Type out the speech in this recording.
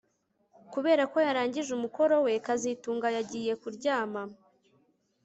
Kubera ko yarangije umukoro we kazitunga yagiye kuryama